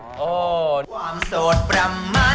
ความโสดประมาณ